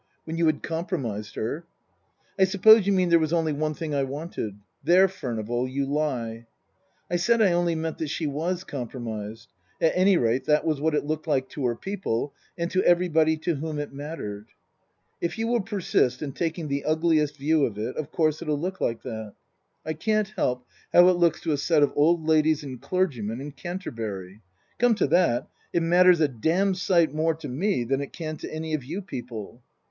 When you had compromised her." " I suppose you mean there was only one thing I wanted ? There, Furnival, you lie." I said I only meant that she was compromised. At any rate, that was what it looked like to her people and to everybody to whom it mattered. " If you will persist in taking the ugliest view of it, of course it'll look like that. I can't help how it looks to a set of old ladies and clergymen in Canterbury. Come to that, it matters a damned sight more to me than it can to any of you people."